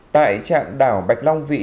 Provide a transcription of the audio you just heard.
tại trạng đảo bạch long vĩ